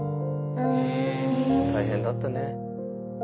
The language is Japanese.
大変だったね。